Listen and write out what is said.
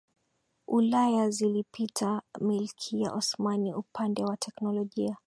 Ulaya zilipita Milki ya Osmani upande wa teknolojia